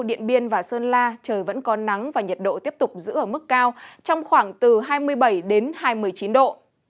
điện biên và sơn la trời vẫn có nắng và nhiệt độ tiếp tục giữ ở mức cao trong khoảng từ hai mươi bảy đến hai mươi chín độ